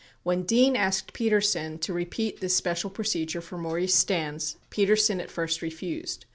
When Dean asked Petersen to repeat this special procedure for Maurice Stans, Petersen at first refused.